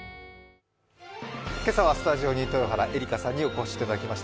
今朝はスタジオに豊原江理佳さんにお越しいただきました。